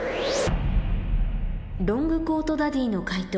ロングコートダディの解答